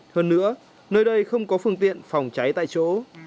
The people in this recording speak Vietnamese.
hơn nữa nơi đây không có phương tiện phòng cháy tại chỗ